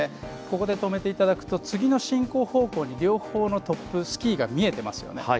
ここで止めていただくと次の進行方向に両方のトップスキーが見えてますよね。